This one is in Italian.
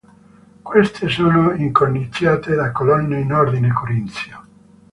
Queste sono incorniciate da colonne in ordine corinzio.